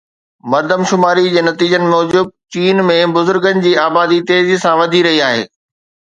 مردم شماري جي نتيجن موجب چين ۾ بزرگن جي آبادي تيزي سان وڌي رهي آهي